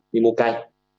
mình mua cây